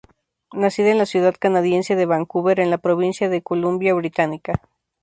Nacida en la ciudad canadiense de Vancouver en la provincia de Columbia Británica.